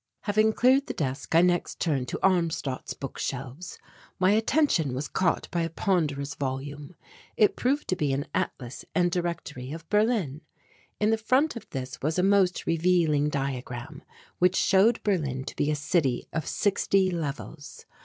Having cleared the desk I next turned to Armstadt's book shelves. My attention was caught by a ponderous volume. It proved to be an atlas and directory of Berlin. In the front of this was a most revealing diagram which showed Berlin to be a city of sixty levels.